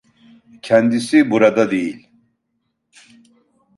Kendisi burada değil.